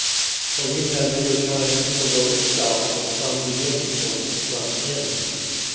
For we measure the time interval itself from some beginning point to some end.